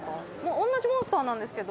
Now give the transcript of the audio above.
おんなじモンスターなんですけど。